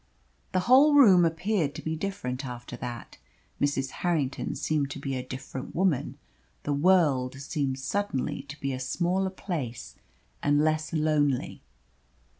The whole room appeared to be different after that. Mrs. Harrington seemed to be a different woman the world seemed suddenly to be a smaller place and less lonely.